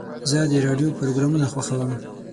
زه د راډیو پروګرامونه خوښوم.